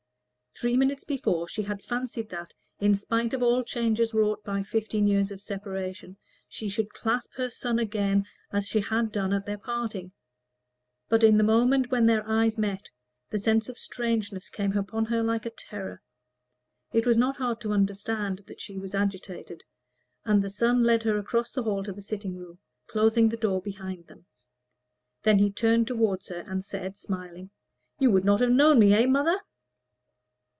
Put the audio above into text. Three minutes before, she had fancied that, in spite of all changes wrought by fifteen years of separation, she should clasp her son again as she had done at their parting; but in the moment when their eyes met, the sense of strangeness came upon her like a terror. It was not hard to understand that she was agitated, and the son led her across the hall to the sitting room, closing the door behind them. Then he turned toward her and said, smiling "You would not have known me, eh, mother?"